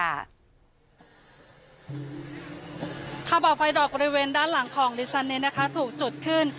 ข่าวเบาไฟดอกบริเวณด้านหลังของดิฉันนี้นะคะถูกจุดขึ้น